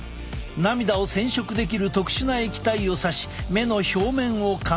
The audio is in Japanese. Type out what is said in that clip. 涙を染色できる特殊な液体をさし目の表面を観察する。